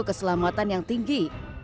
keselamatan yang tinggi